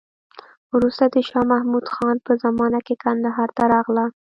وروسته د شا محمود خان په زمانه کې کندهار ته راغله.